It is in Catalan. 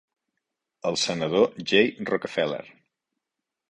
El senador Jay Rockefeller.